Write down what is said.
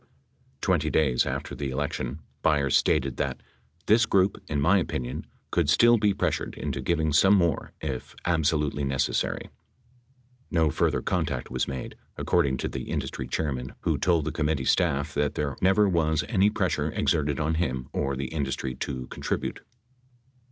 Twenty days after the elec tion, Byers stated that: "This group, in my opinion, could still be pressured into giving some more if absolutely necessary." No further contact was made, according to the industry chairman who told the committee staff that there never was any pressure exerted on him or the industry to contribute.